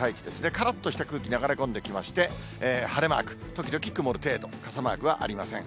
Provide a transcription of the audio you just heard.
からっとした空気、流れ込んできまして、晴れマーク、時々曇る程度、傘マークはありません。